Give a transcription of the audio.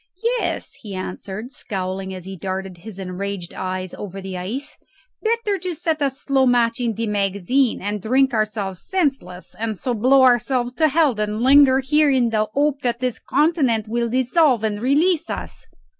"Yes," he answered, scowling as he darted his enraged eyes over the ice. "Better set a slow match in the magazine and drink ourselves senseless, and so blow ourselves to hell, than linger here in the hope that this continent will dissolve and release us.